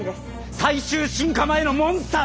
最終進化前のモンスターだ！